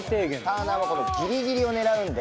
ターナーはこのギリギリを狙うんで。